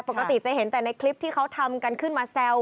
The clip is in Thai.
ปกติจะเห็นแต่ในคลิปที่เขาทำกันขึ้นมาแซว